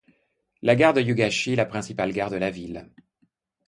La gare de Hyūgashi est la principale gare de la ville.